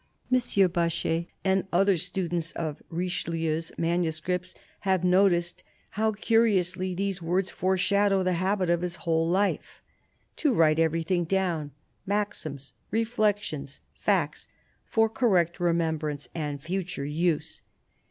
M. Baschet, and other students of Richelieu's manu scripts, have noticed how curiously these words foreshadow the habit of his whole life — to write everything down, " maxims, reflexions, facts," for correct remembrance and future use.